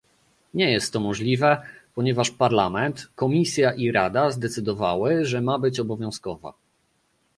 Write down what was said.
Nie jest to możliwe, ponieważ Parlament, Komisja i Rada zdecydowały, że ma być obowiązkowa